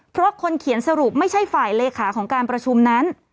เพราะคนเขียนสรุปไม่ใช่ฝ่ายเลขาของการประชุมนั้น